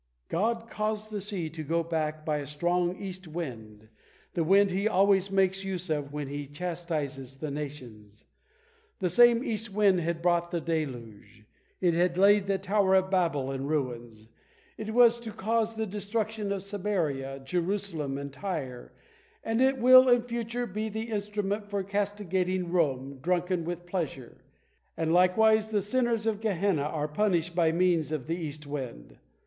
God caused the sea to go back by a strong east wind, the wind He always makes use of when He chastises the nations. The same east wind had brought the deluge; it had laid the tower of Babel in ruins; it was to cause the destruction of Samaria, Jerusalem, and Tyre; and it will, in future, be the instrument for castigating Rome drunken with pleasure; and likewise the sinners in Gehenna are punished by means of the east wind.